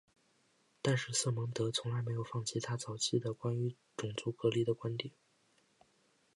但是瑟蒙德从来没有放弃他早期的关于种族隔离的观点。